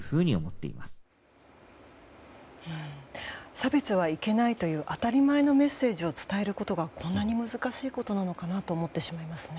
差別はいけないという当たり前のメッセージを伝えることがこんなに難しいことなのかなと思ってしまいますよね。